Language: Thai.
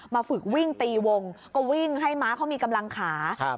ฝึกวิ่งตีวงก็วิ่งให้ม้าเขามีกำลังขา